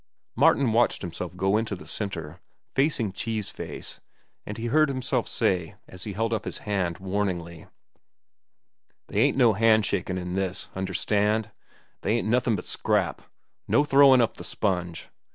Martin watched himself go into the centre, facing Cheese Face, and he heard himself say, as he held up his hand warningly: "They ain't no hand shakin' in this. Understand? They ain't nothin' but scrap. No throwin' up the sponge.